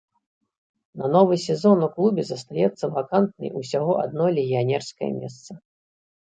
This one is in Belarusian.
На новы сезон у клубе застаецца вакантнай усяго адно легіянерскае месца.